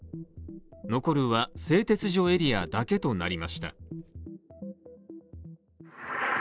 残るは製鉄所エリアだけとなりました。